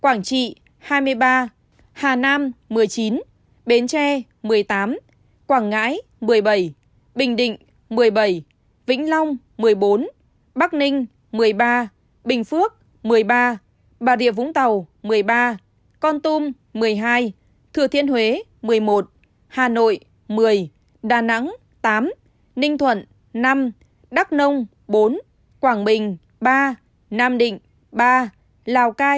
quảng trị hai mươi ba hà nam một mươi chín bến tre một mươi tám quảng ngãi một mươi bảy bình định một mươi bảy vĩnh long một mươi bốn bắc ninh một mươi ba bình phước một mươi ba bà địa vũng tàu một mươi ba con tum một mươi hai thừa thiên huế một mươi một hà nội một mươi đà nẵng tám ninh thuận năm đắk nông bốn quảng bình ba nam định ba lào cai ba